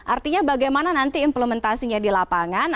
artinya bagaimana nanti implementasinya di lapangan